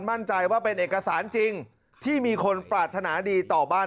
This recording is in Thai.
มั่นใจว่าเป็นเอกสารจริงที่มีคนปรารถนาดีต่อบ้าน